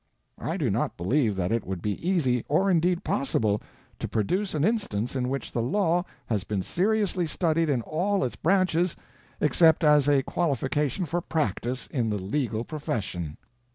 I do not believe that it would be easy, or indeed possible, to produce an instance in which the law has been seriously studied in all its branches, except as a qualification for practice in the legal profession."